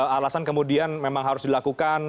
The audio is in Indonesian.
alasan kemudian memang harus dilakukan